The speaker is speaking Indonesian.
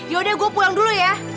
yaudah gue pulang dulu ya